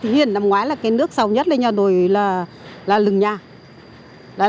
hiện năm ngoái là cái nước sống nhất là nhà tôi là lừng nhà